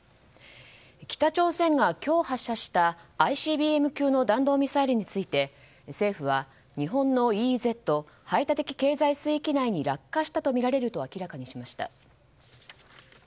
北朝鮮が今日発射したＩＣＢＭ級の弾道ミサイルについて政府は、日本のＥＥＺ・排他的経済水域内に落下したとみられると明らかにしました。